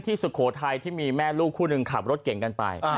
สุโขทัยที่มีแม่ลูกคู่หนึ่งขับรถเก่งกันไป